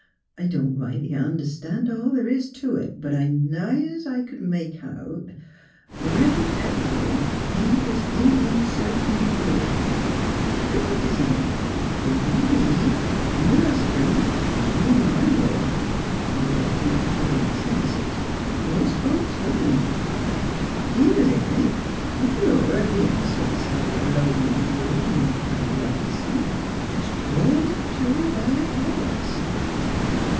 I don't rightly understan' all th' is to it. But es nigh es I c'd make out, th' Eev'ren' Pettibone, he was in the Encirclin' Good — every body's in it; you an' me, 'n' your hus'ban', 'n' even your ma in law — though like enough she don't sense it. Most folks don't. He was in it; 'n' Philura, bein', so t' say, alone in the world an' kind of Ion 'some, jus' drawed him t' her b' her thoughts.